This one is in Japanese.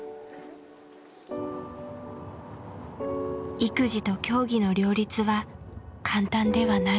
育児と競技の両立は簡単ではない。